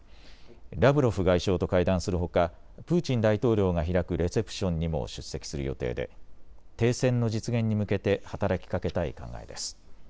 ラブロフ外相と会談するほかプーチン大統領が開くレセプションにも出席する予定で停戦の実現に向けて働きかけたい考えです。